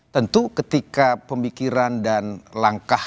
tentu ketika pemikiran dan langkah